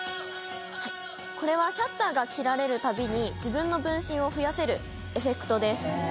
これはシャッターが切られるたびに自分の分身を増やせるエフェクトです。